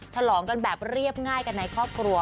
ฉลองกันแบบเรียบง่ายกันในครอบครัว